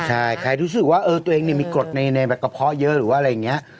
ใช่ใครรู้สึกว่าตัวเองมีกรดในแบบกระเพาะเยอะหรือว่าอะไรอย่างนี้